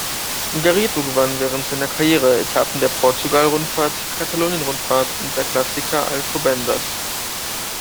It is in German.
Garrido gewann während seiner Karriere Etappen der Portugal-Rundfahrt, Katalonien-Rundfahrt und der Clásica Alcobendas.